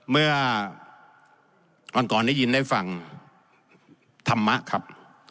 เมื่อวันก่อนได้ยินในฝั่งธรรมะ